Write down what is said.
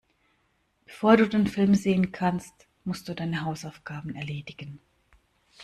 Bevor du den Film sehen kannst, musst du deine Hausaufgaben erledigen.